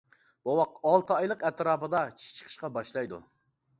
بوۋاق ئالتە ئايلىق ئەتراپىدا چىش چىقىشقا باشلايدۇ.